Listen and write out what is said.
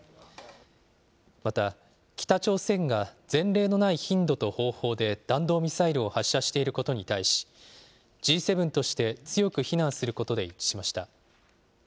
また、北朝鮮が前例のない頻度と方法で弾道ミサイルを発射していることに対し、Ｇ７として強く非難することで一致しました。